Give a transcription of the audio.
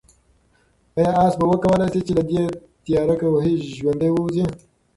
آیا آس به وکولای شي چې له دې تیاره کوهي ژوندی ووځي؟